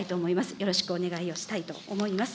よろしくお願いをしたいと思います。